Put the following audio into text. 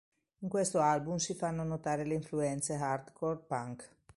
In questo album si fanno notare le influenze hardcore punk.